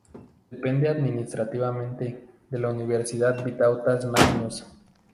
Depende administrativamente de la Universidad Vytautas Magnus.